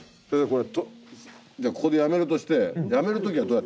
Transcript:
これここでやめるとしてやめる時はどうやってやるんすか？